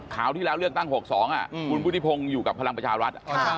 ข่าวที่แล้วเลือกตั้ง๖๒คุณพุทธิพงศ์อยู่กับพลังประชารัฐ